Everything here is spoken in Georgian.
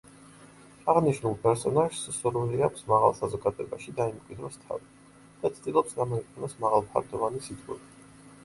აღნიშნულ პერსონაჟს სურვილი აქვს მაღალ საზოგადოებაში დაიმკვიდროს თავი და ცდილობს გამოიყენოს მაღალფარდოვანი სიტყვები.